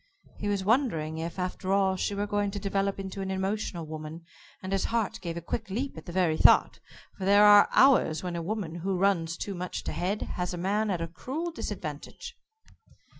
He was wondering, if, after all, she were going to develop into an emotional woman, and his heart gave a quick leap at the very thought for there are hours when a woman who runs too much to head has a man at a cruel disadvantage.